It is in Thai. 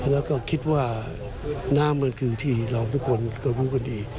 แล้วก็คิดว่าน้ำมันคือที่เราทุกคนก็รู้กันดี